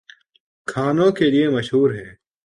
کھانوں کے لیے مشہور ہیں